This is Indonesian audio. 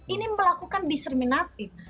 ini melakukan diserminatif